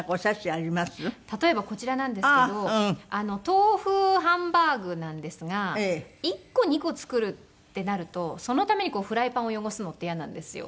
豆腐ハンバーグなんですが１個２個作るってなるとそのためにフライパンを汚すのって嫌なんですよ。